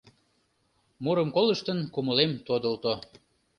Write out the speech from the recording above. Мурым колыштын, кумылем тодылто.